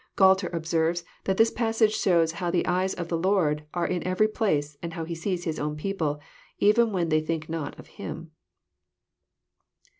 Gnalter observes, that this passage shows how the eyes of the Lord are in every place, and how He sees His own people, even when they think not of Him.